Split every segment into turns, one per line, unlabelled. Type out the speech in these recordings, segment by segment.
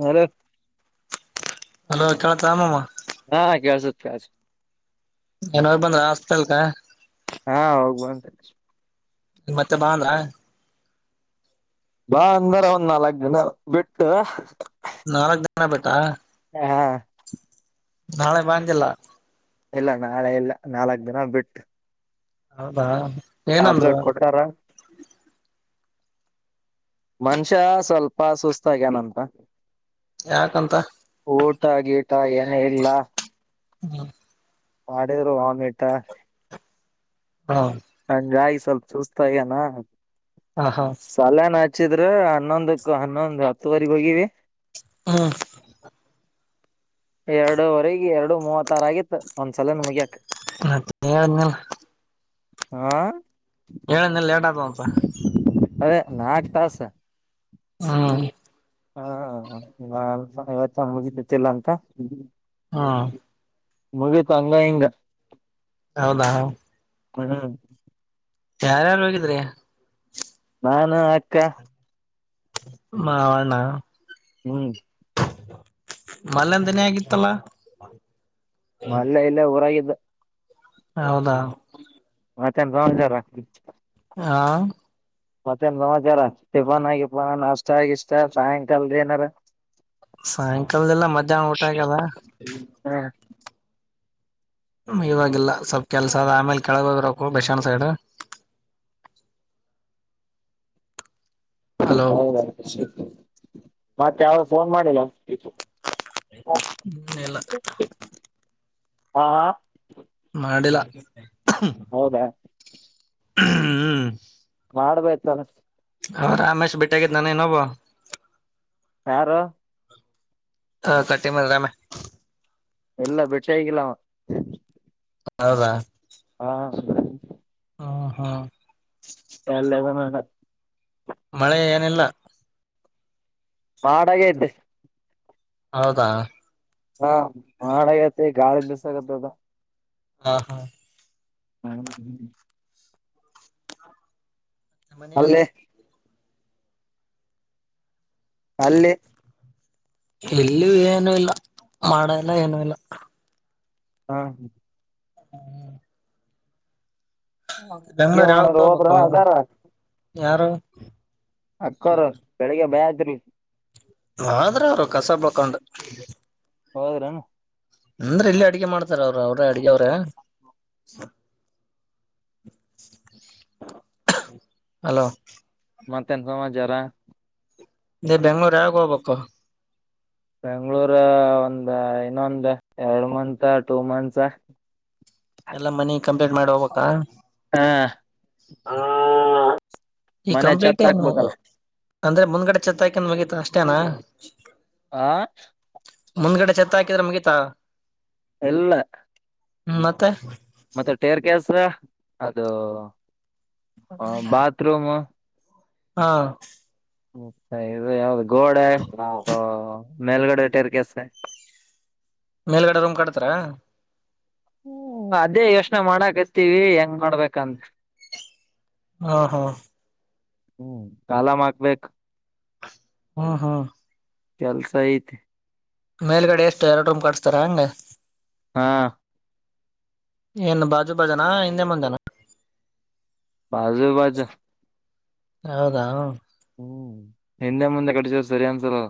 ಹದ.
ಹಲೋ ಕೇಳತ್ರ ರಾಮಮ್ಮ.
ಆ ಹಾ, ಕೆಲಸದ.
ಏನವ್ ಬಂದ್ರ ಆಸ್ಪತ್ಲ್.
ಹಾ [inaudible]
ಮತ್ತೆ ಬಾ ಅಂದ್ರಾ
ಬಾ ಅಂದಾರ ಒಂದ್ ನಾಲ್ಕ್ ಜನ ಬಿಟ್ಟು.
ನಾಲ್ಕ್ ದಿನ ಬೇಟಾ.
ಹಾ.
ನಾಳೆ ಬಂದಿಲ್ಲ.
ಇಲ್ಲ ನಾಳೆ ಎಲ್ಲ ನಾಲ್ಕ್ ದಿನ ಬಿಟ್ಟು.
ಹೌದಾ ಏನಂದ್ರು
ಟಾಬ್ಲೆಟ್ ಕೊಟ್ಟಾರಾ ಮನುಷ್ಯ ಸ್ವಲ್ಪ ಸುಸ್ತಾಗ್ಯನಂತ
ಯಾಕಂತ
[unintelligible] ಏನ ಇಲ್ಲ
ಹ್ಮ
ಮಾಡಾಡರು ಒಮೆಟ
ಹ
ಹಜಾಯ ಸ್ವಲ್ಪ ಸೂಸ್ತಾಯನಾ
ಹಾ ಹಾ
ಹಚ್ಚಿದ್ರ ಹನ್ನೊಂದಕ್ಕ ಹನ್ನೊಂದು ಹತ್ತುವರೆಗ ಹೋಗಿವಿ
ಹ್ಮ
ಎರಡೂವರೆಗೆ ಎರಡು ಮೂವತ್ತಾರ ಆಗಿತ್ತು ಒಂದ್ಸಲ [unintelligible]
ಮತ್ತ ಅನ್ನಲ್ಲ
ಹಾ
ಹೇಳನ ಲೇಟ್ಗ್ವಪ
ಅದೇ ನಾಕ್ ತಾಸ
ಹ್ಮ
ಹಾ ಇವತ್ತು ಮುಗಿದತಿಲ್ಲ ಅಂತ
ಹಾ
ಮುಗತ ಹಂಗ ಹಿಂಗ
ಹೌದಾ
ಹ
ಯಾರ್ಯಾರು ಹೋಗಿದ್ರಿ
ನಾನು ಅಕ್ಕ
ಮಾವಣ
ಹ್ಮ್.
ಮಲ್ಯಾಂದನೇ ಆಗಿತ್ತಲ್ಲ.
ಮಲ್ಯ ಇಲ್ಲೇ ಊರಾಗಿದ್ದ.
ಹೌದಾ.
ಮತ್ತೆ ಎನ್ ಸಮಾಚಾರ.
ಹಾ.
ಮತ್ತೇನ್ ನಮಾಚಾರ ಟಿಫನ್ಗಿಫಾನ ನಾಷ್ಟ ಗಿಷ್ಟ ಸಾಯಂಕಾಲದ ಏನಾರ.
ಸಾಯಂಕಾಲದಿಲ್ಲ ಮಧ್ಯಾಹ್ನ ಊಟ ಆಗ್ಯದ.
ಹ್ಮ್
ಇವಾಗಿವಾಗಿಲ್ಲ ಸ್ವಲ್ಪ ಕೆಲ್ಸ ಅದ ಆಮೇಲೆ ಕೆಳಗೆ ಹೋಗಿ ಬರಬೇಕುಕ ಬಷನ್ ಸೈಡ್. [unintelligible] ಹಲೋ
ಹೌದಾ [inaudible] ಮತ್ತವಫೋನ್ ಮಾಡಿಲ್ಲ.
ಇಲ್ಲ
ಹಾ. ಹೌದಾ
[inaudible] ಹ್ಮ್.
ಮಾಡ್ಬೇಕ ತಾನೇ.
ಹ ರಾಮೇಶ್ ಬೆಟ್ಟಿಗಿದ್ದ್ನ ಇನೊಬ್ಬವ.
ಯಾರು.
ಹ ಕಟ್ಟಿ ಮನೆ ರಾಮ್ಯ.
ಇಲ್ಲ ಬೆಟ್ಟಿ ಆಗಿಲ್ಲವ.
ಹೌದ.
ಹಾ.
ಹ ಹಾ.
ಎಲ್ಲೆದನೇನೋ.
ಮಳೆ ಏನಿಲ್ಲ.
ಮಾಡಾ ಆಗೈತಿ.
ಹೌದಾ.
ಹಾ ಮಾಡ ಆಗೈತಿ ಗಾಳಿ ಬಿಸಗತದ.
ಹಾ ಹಾ.
[unintelligible]
ನಮ್ಮನೆ ಅದು.
ಅಲ್ಲಿ ಅಲ್ಲಿ.
ಇಲ್ಲಿ ಏನು ಇಲ್ಲ ಮಾಡ ಎಲ್ಲ ಏನು ಇಲ್ಲ.
ಹಾ.
ಹ್ಮ್.
ಏನ್
ಬೆಂಗ್ಗಳೂರು
ಮಾಡೋದು
ಯಾವಗ
ಹೋದ್ರ
ಹೋಗ್ಬೇಕು
ಅದಾರ
ಯಾರು.
ಅಕ್ಕರು ಬೆಳಿಗ್ಗೆ ಭಯದ್ರಿ.
ವದ್ರೂ ಅವರು ಕಸ ಬಳಕೊಂಡು.
ಹೌದ್ರನು.
ಅಂದ್ರ ಇಲ್ಲಿ ಅಡ್ಗೆ ಮಾಡ್ತಾರ ಅವ್ರ ಅವ್ರೇ ಅಡಗೆ ಅವ್ರ. [unintelligible] ಹಲೋ.
ಮತ್ತೇನ್ ಸಮಾಚಾರ.
ನೀ ಬೆಂಗ್ಳೂರ್ ಯಾವಗ ಹೋಗ್ಬೇಕು.
ಬೆಂಗ್ಳೂರ ಒಂದ ಇನ್ನೊಂದ ಎರಡ್ ಮಂತ್ ಟೂ ಮಂತ್ಸ.
ಎಲ್ಲ ಮನಿ ಕಂಪ್ಲೀಟ್ ಮಾಡ ಹೋಗಬೇಕಾ.
ಹ
ಈ
ಮನೆ
ಕಂಪ್ಲೀಟ್
ಚತ್
ಏನು
ಹಾಕ್ಬೇಕಲ್ಲ
ಅಂದ್ರೆ ಮುಂದ್ಗಡೆ ಚತ್ತಾಕನ್ ಮುಗಿತ ಅಷ್ಟೇನಾ.
ಆ.
ಮುಂದ್ಗಡೆ ಛತ್ ಹಾಕಿದ್ರೆ ಮುಗೀತಾ.
ಇಲ್ಲ.
ಹ್ಮ ಮತ್ತೆ.
ಮತ್ತೆ ಟೇರ್ ಕೇಸ್ ಅದು ಬಾತ್ರೂಮು.
ಹಾ.
ಮ ಇದು ಯಾವ್ದ ಗೋಡೆ ಮೇಲ್ಗಡೆಟೆರ್ಕಸ್.
ಮೇಲ್ಗಡೆ ರೂಮ್ ಕಡತ್ರರ.
ಹ್ಮ ಅದೇ ಯೋಚನೆ ಮಾಡಕ್ತೀವಿ ಹೆಂಗ್ ಮಾಡ್ಬೇಕಂತ್.
ಹಾ ಹಾ.
ಹ್ಮ ಕಾಲಾಮ ಆಕ್ಬೇಕಕ್.
ಹ್ಮ ಹಾ.
ಕೆಲ್ಸ ಐತಿ.
ಮೇಲ್ಗಡೆ ಎಷ್ಟು ಎರಡ್ ರೂಮ್ ಕಟ್ಸ್ತಾರ ಹಂಗಗೆ.
ಹಾ.
ಏನ್ ಬಾಜು ಬಾಜನಾ ಹಿಂದೆ ಮುಂದಾನ.
ಬಾಜು ಬಾಜ.
ಹೌದಾ.
ಹ್ಮ್ ಹಿಂದೆ ಮುಂದೆ ಕಡಿಸಿದ್ರ ಸರಿ ಅನ್ಸಲ್ಲ.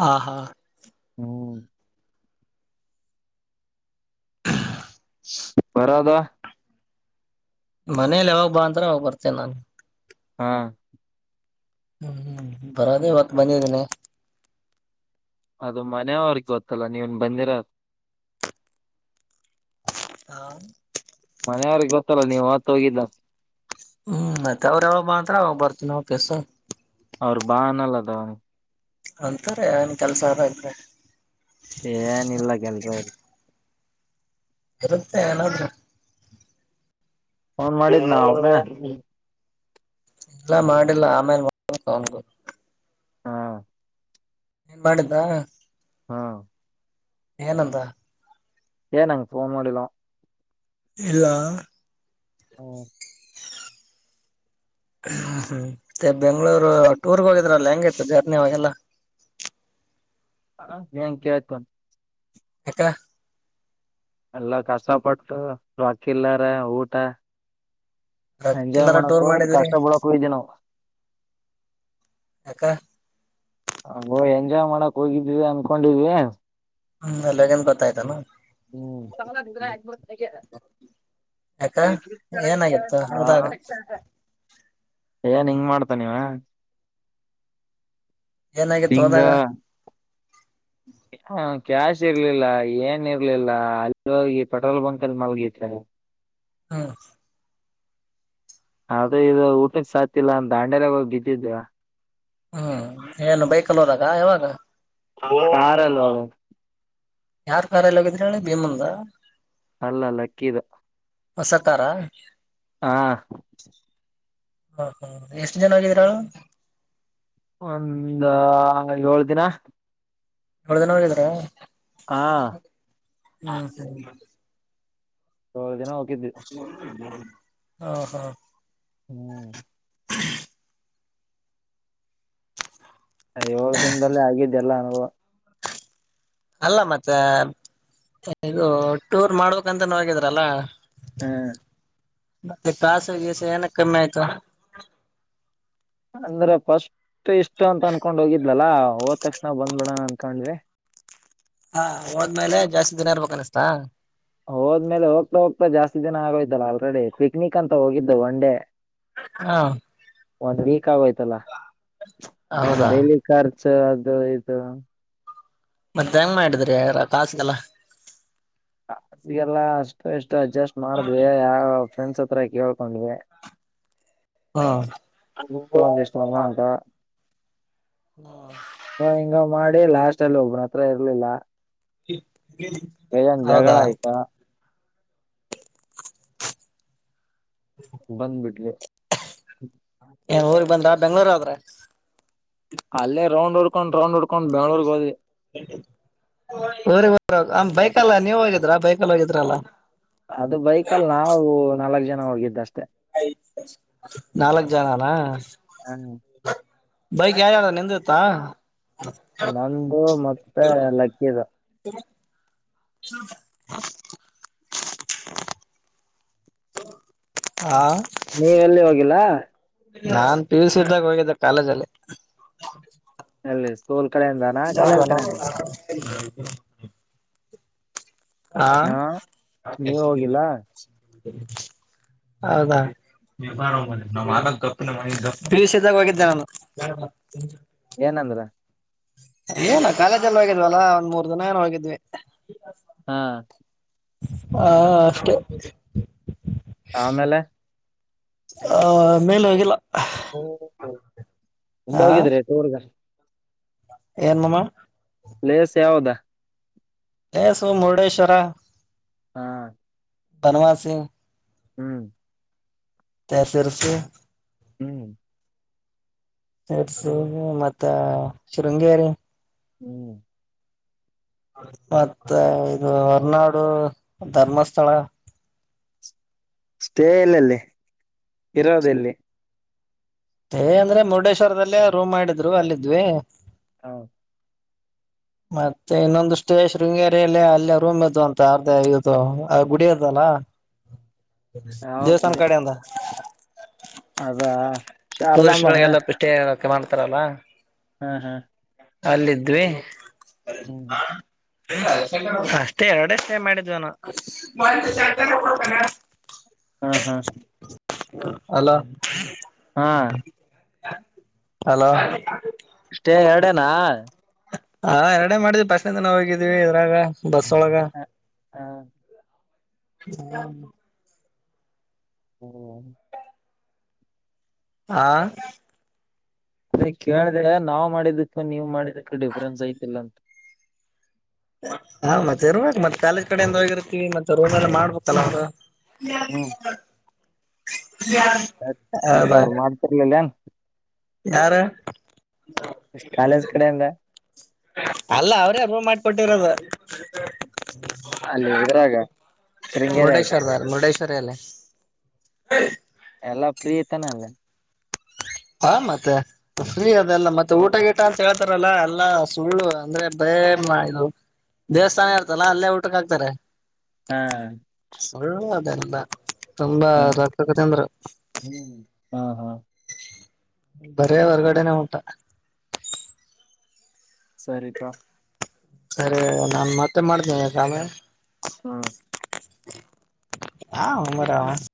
ಹಾ ಹಾ.
ಹ್ಮ್. ಬರದ.
ಮನೇಲಿ ಯಾವಾಗ ಬಾ ಅಂತತ್ರ ಅವಾಗ ಬರ್ತೇನೆ ನಾನು.
ಹಾ.
ಹ್ಮ್ ಹ್ಮ್ ಬರದೇ ಇವತ್ ಬಂದಿದ್ದೇನೆ.
ಅದು ಮನೆಯವ್ರಿಗೆ ಗೊತ್ತಲ್ಲ ನೀವನ್ ಬಂದಿರ್.
ಹಾ.
ಮನೆ ಯಾವರಿಗೆ ಗೊತ್ತಲ್ಲ ನೀವು ಮತ್ತ ಹೋಗಿದ್ದ.
ಹ್ಮ್ ಮತ್ತೆ ಅವ್ರ ಯಾವಾಗ್ ಬಾ ಅವಾಗ ಬರ್ತನಾ ವಾಪಾಸ್.
ಅವ್ರ್ ಬಾನಲ್ಲದ ತನ್.
ಅಂತಾರೆ ಅವನ್ ಕೆಲ್ಸ ಆದ ಇದ್ರ.
ಏನ್ ಇಲ್ಲ ಕೆಲ್ಸ ಇಲ್ಲಿ.
ಇರುತ್ತೆ ಏನಾದ್ರು.
ಫೋನ್ ಮಾಡಿದ ಅವ್ನ್.
ಇಲ್ಲ ಮಾಡಡಿಲ್ಲ ಆಮೇಲೆ ಮಾಡಬೇಕು ಅವಂಗೂ.
ಹಾ.
ನಿನ್ ಮಾಡಿದ್ದಾ.
ಹಾ.
ಏನ್ ಅಂದ.
ಏನ್ ನಂಗ ಫೋನ್ ಮಾಡಡಿಲೋ.
ಇಲ್ಲಾ.
ಹ್ಮ್ಮ್.
ಹ್ಮ್ ಮತ್ತೆ ಬೆಂಗ್ಳೂರು ಟೂರ್ಗೆ ಹೋಗಿದ್ರಲ್ಲ ಹೆಂಗೈತ್ತು ಜರ್ನಿ ಅವಾಗೆಲ್ಲ.
ಹ ಏನ್ ಕೇಳ್ತ್ಯಾ.
ಯಾಕ್.
ಎಲ್ಲ ಕಷ್ಟಪಟ್ಟು ರೊಕ್ಕಿಲ್ಲಾರ ಊಟ. ಎಜಾಯ್
ಎಲ್ಲಾರ ಟೂರ್
ಮಾಡೋಕೊಡ್ರು
ಮಾಡಿದ್ರಿ
ಕಷ್ಟಪಡ ಕುದಿನವು.
ಯಾಕ.
ಹೋ ಎಂಜಾಯ್ ಮಾಡಕ್ ಹೋಗಿದೀವಿ ಅನ್ಕೊಂಡಿದ್ವಿ.
ಹ್ಮ ಅಲ್ಲಾಗೇನ್ ಗೊತ್ತಾಯ್ತಾನ.
ಹ್ಮ್ಮ್.
ಯಾಕ ಏನಾಗಿತ್ತು ಹೋದಾಗ
[unintelligible] [unintelligible] ಏನ್ ಹಿಂಗ್ ಮಾಡ್ತ ಇವ.
ಏನಾಗಿತ್ತು ಹೋದಾಗ.
ಹಾ. ಕ್ಯಾಶ್ ಇರ್ಲಿಲ್ಲ ಏನ್ ಇರ್ಲಿಲ್ಲ ಅಲ್ಲಿೋಗಿ ಪೆಟ್ರೋಲ್ ಬಂಕ್ ಅಲ್ಲಿ ಮಲ್ಗೈತ್
ಹಾ
ಅದ ಇದು ಊಟ ಸಾತಿಲ್ಲ ಅ ದಾಂಡ್ಯಲೆಗಿ ಹೂಗಿ ಬಿದ್ದಿದ್
ಹ್ಮ್ ಏನು ಬೈಕ್ ಅಲ್ಲಿ ಹೋದಾಗ ಯಾವಾಗ
ಕಾರಲ್ ಹೋ
ಯಾರ್ ಕಾರ್ ಎಲ್ಲ ಹೋಗಿದ್ರಿ ಹೇಳಿ ಭೀಮಂದ
ಅಲ್ಲ ಲಕ್ಕೀದ
ಹೊಸ ಕಾರ
ಹಾ
ಹಾ ಹಾ ಎಷ್ಟು ಜನ ಆಗಿದ್ರಾಳು
ಒಂದ ಏಳ ದಿನ
ಏಳ ದಿನ ಹೋಗಿದ್ರಾ
ಹ
ಹಾ
ಏಳ ದಿನ ಹ
ಹಾ ಹಾ
ಹ್ಮ್
[unintelligible]
ಆ ಏಳ ದಿನದಲ್ಲಿ ಆಗಿದ್ದ ಎಲ್ಲಾ ಅನುಭವ
ಅಲ್ಲ ಮತ್ತೆ ಇದು ಟೂರ್ ಮಾಡ್ಬೇಕ್ಂತ ಹಗಿದ್ರಲ್ಲ
ಹ್ಮ್
ಮತ್ತೆ ಕಾಸ ಗಿಸ ಏನ ಕಮ್ಮಿ ಆಯ್ತು
ಅಂದ್ರ ಫಸ್ಟ್ ಇಷ್ಟ ಅಂತ ಅನ್ಕೊಂಡ್ ಹೋಗಿದ್ದ ಲ್ಲಾ ಹೋದ್ ತಕ್ಷಣ ಬಂದ್ಬೇಡಣ ಅನ್ಕೊಂಡ್ವಿ
ಹಾ ಹೋದ್ಮೇಲೆ ಜಾಸ್ತಿ ದಿನ ಇರ್ಬೇಕ ಅನ್ನಷ್ಟಾ
ಹೋದ್ಮೇಲೆ ಹೋಗ್ತಾ ಹೋಗ್ತಾ ಜಾಸ್ತಿ ದಿನ ಆಗೋಯ್ಲ್ಲ ಆಲ್ರೆಡಿ ಪಿಕ್ನಿಕ್ ಅಂತ ಹೋಗಿದ್ದು ಒನ್ ಡೇ
ಹಾ
ಒಂದ್ ವೀಕ್ ಆಗೋಯ್ತಲ್ಲ ಒಂದು
ಹೌದಾ
ಡೈಲಿ ಕಾರ್ ಅದು ಇದು
ಮತ್ತ ಹೆಂಗ ಮಾಡಿದ್ರಿ ಯಾರ ಕಾಸಿಗೆಲ್ಲ
ಕಾಸಿಗೆಲ್ಲ ಅಷ್ಟು ಎಷ್ಟು ಅಡ್ಜಸ್ಟ್ ಮಾಡಿದ್ವಿ ಯಾವ ಫ್ರೆಂಡ್ಸ್ ಹತ್ರ ಕೇಳ್ಕೊಂಡ್ೆ
ಹಾ
ಒಂದಷ್ಟ ಅಮ್ಮ ಅಂತ ಹಂಗ ಮಾಡ ಡೇ ಲಾಸ್ಟ್ ಅಲ್ಲಿ ಒಬ್ಬನ ಹತ್ರ ಇರ್ಲಿಲ್ಲ
[inaudible]
ಕೈಯೊಂದ್
ಹೌದಾ
ಜಗಳ ಆಯ್ತಾ ಬಂದ್ಬಿಡ್ಲಿ [inaudible]
ಏನ್ ಊರಿಗೆ ಬಂದ್ರ ಬೆಂಗ್ಳೂರ್ ಹೂದ್ರೆ
ಅಲ್ಲೇ ರೌಂಡ್ ಹೊಡ್ಕೊಂಡ್ ರೌಂಡ್ ಹೊಡ್ಕೊಂಡ್ ಬೆಂಗ್ಳೂರ್ಗ್ ಹೋದ್ವಿ
[inaudible] ಬರ ಬ ಆ ಬೈಕಲ್ಲಾ ನೀವ್ ಹೋಗಿದ್ರ ಬೈಕಲ್ಲ ಹೋಗಿದ್ರಲ್ಲಾ
ಅದು ಬೈಕ್ಲ್ಲಿ ನಾವು ನಾಲ್ಕ್ ಜನ ಹಗಿದ್ದಷ್ಟೆ
ನಾಲ್ಕ ಜನಾನಾ
ಹ್ಮ್
ಬೈಕ್ ಯಾವ್ಯಾರ ನಿಂದತ್ತಾ
ನಂದು ಮತ್ತೆ ಲಕ್ಕೀಿದ
ಸ [unintelligible] ಹಾ
ನೀವೆ ಎಲ್ಲಿ ಹೋಗಿಲ್ಲ
ನಾನ್ ಪೀಯುಸಿದ್ದಾಗ ಹೋಗಿದ್ದೆ ಕಾಲಜಾಲೆ
ಅಲ್ಲಿ ಸ್ೋಲ್ಪ
[unintelligible] ಹಾ
ಹ ನೀವ್ ಹೋಗಿಲ್ಲ
ಹೌದಾ ಬೀಸಿದಾಗ ಹೋಗಿದ್ದ ಅವನು
ಏನಂದ್ರ
ಏನ ಕಾಲೇಜಲ್ಲಿ ಹೋಗಿದ್ವಲ್ಲಾ ಒಂದ್ ಮೂರ್ ದಿನ ಏನ ಹೋಗಿದ್ವಿ
ಹಾ
ಹಾ ಅಷ್ಟೇ
ಆಮೇಲೆ
ಆ ಮೇಲೆ ಹೋಗಿಲ್ಲ
ಹೂ ಹಂಗ ಹೋಗಿದ್ರಿ ಟೂರ್ಗ
ಏನ ಮಾಮ
ಪ್ಲೇಸ್ ಯಾವದಾ
ಪ್ಲೇಸ್ ಸು ಮುರುಡೇಶ್ವರ
ಹಾ
ಬನವಾಸಿ
ಹ್ಮ್
ಮತ್ತೆ ಶಿರಸಿ
ಹ್ಮ್
ಸರ್ಸ ಮತ್ತ ಶೃಂಗೇರಿ
ಹ್ಮ್
ಮತ್ತ ಇದು ಹೊರನಾಡು ಧರ್ಮಸ್ಥಳ
ಸ್ಟೇ ಎಲ್ಲಲ್ಲಿ ಇರೋದೆಲ್ಲಿ
ಸ್ಟೇ ಅಂದ್ರೆ ಮುರುಡೇಶ್ವರದಲ್ಲೇ ರೂಮ್ ಮಾಡಿದ್ರು ಅಲ್ಲಿದ್ವಿ
ಹೌದ
[inaudible] ಮತ್ತೆ ಇನ್ನೊಂದಷ್ಟೇ ಶೃಂಗೇರಿಲ್ಲಿ ಅಲ್ಲೇ ರೂಮ್ ಇದ್ದು ಅಂತ ಅರ್ಧ ಇದು ಆ ಗುಡಿ ಅದಲ್ಲ
ಯಾವದ್
ದೇವಸ್ಥಾನ
ಬಿಡಿ
ಕಡೆ ಇಂದ
ಅದಾ
ಟೂರಿಸ್ಟ್
ಶಾರದಾಂಬ
ಗಳಿಗೆಲ್ಲ ಸ್ಟೇ ಆಗಕ್ಕೆ ಮಾಡ್ತಾರಲ್ಲ
ಹ್ಮ್ ಹ್ಮ್
ಅಲ್ಲಿದ್ವಿ
ಹ್ಮ
ಅಷ್ಟೇ ಎರಡೆ ಸ್ಟೇ ಮಾಡಿದ್ವಿನು
ಹ್ಮ ಹೂ
ಹಲೋ
ಹಾಂ
ಹಲೋ
ಸ್ಟೇ ಎರಡೇನಾ
ಹಾ ಎರಡೆೇ ಮಾಡಿದ್ವಿ ಬಸ್ ಇಂದನಾ ಹೋಗಿದ್ವಿ ಇದ್ರಾಗ ಬಸ್ ವೋಲಗ
ಹ್ಮ್
ಆ
ಅದ ಕೇಳ್ದೆ ನಾವ್ ಮಾಡಿದಕ್ಕ ನೀವ್ ಮಾಡಿದಕ್ಕೆ ಡಿಫ್ರನ್ಸ್ ಐತಿಲ್ಲ ಅಂತ
ಹಾ ಮತ್ತೆ ಇರ್ಬೇಕ್ ಮತ್ತೆ ಕಾಲೇಜ್ ಕಡೆ ಇಂದ ಹೋಗಿರ್ತ್ತೀವಿ ಮತ್ತೆ ರೂಮ್ ಎಲ್ಲ ಮಾಡ್ಬೇಕಲ್ಲ ಅವರು
ಹ್ಮ್ ಯಾಕ
[unintelligible]
ಅವ್ರು ಮಾಡ್ತಿರ್ಲಿಲ್ಲ ಏನ್
ಯಾರ
ಕಾಲೇಜ್ ಕಡೆಯಿಂದ
ಅಲ್ಲ ಅವರೇ ರೂಮ್ ಮಾಡಿಕೊಟ್ಟಿರೋದು
ಅಲ್ಲಿ ಇದ್ರಾಗ
[unintelligible] ಮುರುಡೇಶ್ವರದಾಗ ಮುರುಡೇಶ್ವರ ಅಲ್ಲೇ
ಎಲ್ಲ ಫ್ರೀ ಇತ್ತೇನಲ್ಲಿ
ಂ [inaudible] ಹಾ ಮತ್ತೆ ಫ್ರೀ ಅದೆಲ್ಲ ಮತ್ತೆ ಊಟ ಗೀಟ ಅಂತ ಹೇಳ್ತಾರಲ್ಲಾ ಎಲ್ಲಾ ಸುಳ್ಳು ಅಂದ್ರೆ ಬೇ ಇದು ದೇವಸ್ಥಾನ ಇರ್ತಲ್ಲಾ ಅಲ್ಲೇ ಊಟಕ್ ಹಾಕ್ತಾರೆ
ಹಾ
ಸುಳ್ಳು ಅದೆಲ್ಲ ತುಂಬಾ
ಹಾ
ದಂತಕಥೆ
ಹ್ಮ್ ಹಾ ಹಾ
ಬರೆ ಹೊರಗಡೆನೇ ಊಟ
ಸರಿತಾ
ಸರಿ ನಾನ್ ಮತ್ತೆ ಮಾಡ್ತೇನಿ ಯಕಾಮೇ
ಹಾ
ಹಾ ಉಮರಾವ [inaudible]